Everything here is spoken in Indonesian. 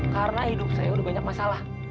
karena hidup saya udah banyak masalah